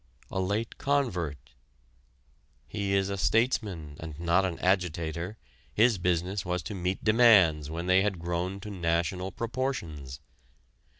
A late convert: he is a statesman and not an agitator his business was to meet demands when they had grown to national proportions.